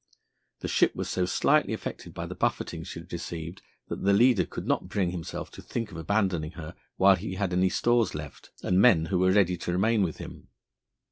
The ship was so slightly affected by the buffeting she had received that the leader could not bring himself to think of abandoning her while he had any stores left and men who were ready to remain with him.